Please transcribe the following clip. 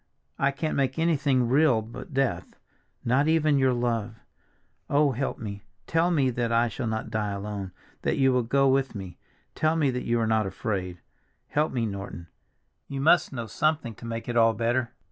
I can't make anything real but death, not even your love! Oh, help me, tell me that I shall not die alone, that you will go with me, tell me that you are not afraid; help me, Norton. You must know something to make it all better!"